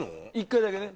１回だけね。